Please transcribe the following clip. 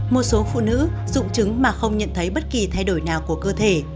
một số phụ nữ dung trứng mà không nhận thấy bất kỳ thay đổi nào của cơ thể